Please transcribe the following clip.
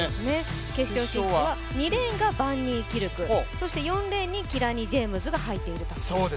決勝進出は２レーンがバンニーキルク、４レーンにキラニ・ジェームズが入っていると。